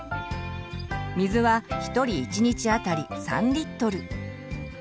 水は１人１日あたり３リットル。